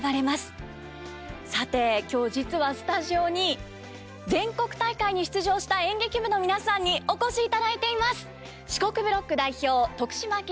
さて今日実はスタジオに全国大会に出場した演劇部の皆さんにお越しいただいています！